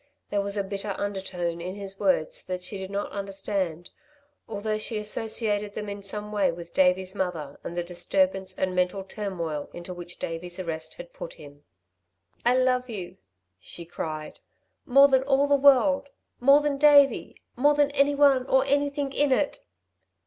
There was a bitter undertone in his words that she did not understand, although she associated them in some way with Davey's mother and the disturbance and mental turmoil into which Davey's arrest had put him. "I love you," she cried, "more than all the world more than Davey, more than anyone or anything in it!"